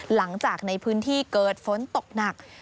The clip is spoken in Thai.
หลังจากในพื้นที่เกิดฝนตกหนัก